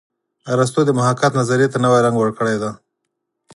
ارستو د محاکات نظریې ته نوی رنګ ورکړی دی